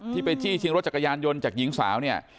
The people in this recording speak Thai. ไปจี้ชิงรถจักรยานยนต์จากหญิงสาวเนี่ย